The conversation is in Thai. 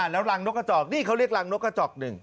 แล้วรังนกกระจอกนี่เขาเรียกรังนกกระจอกหนึ่ง